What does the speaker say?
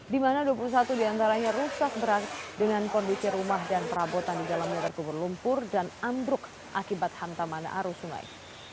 di mana dua puluh satu diantaranya rusak berat dengan kondisi rumah dan perabotan di dalamnya terkubur lumpur dan ambruk akibat hantaman arus sungai